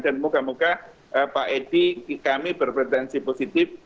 dan moga moga pak edi kami berpretensi positif